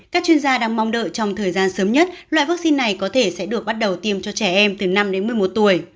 các chuyên gia đang mong đợi trong thời gian sớm nhất loại vaccine này có thể sẽ được bắt đầu tiêm cho trẻ em từ năm đến một mươi một tuổi